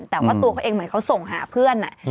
แต่ว่าตัวเขาเองเหมือนเขาส่งหาเพื่อน